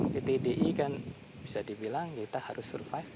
pt di kan bisa dibilang kita harus survive